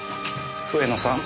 笛野さん。